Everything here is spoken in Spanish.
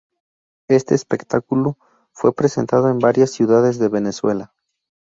Este espectáculo fue presentado en varias ciudades de Venezuela.